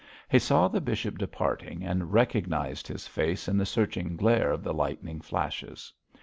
He saw the bishop departing, and recognised his face in the searching glare of the lightning flashes.